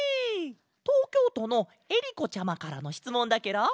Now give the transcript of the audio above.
とうきょうとのえりこちゃまからのしつもんだケロ！